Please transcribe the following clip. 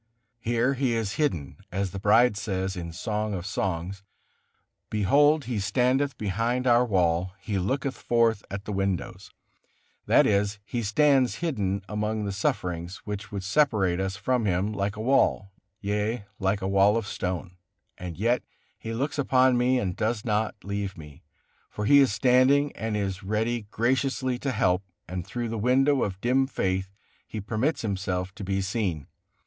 Here He is hidden, as the bride says in the Song of Songs: "Behold he standeth behind our wall, he looketh forth at the windows"; that is, He stands hidden among the sufferings, which would separate us from Him like a wall, yea, like a wall of stone, and yet He looks upon me and does not leave me, for He is standing and is ready graciously to help, and through the window of dim faith He permits Himself to be seen.